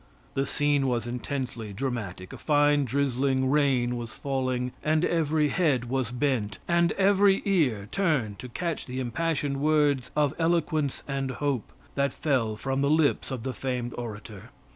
The scene was intensely dramatic. A fine drizzling rain was falling, and every head was bent, and every ear turned to catch the impassioned words of eloquence and hope that fell from the lips of the famed orator.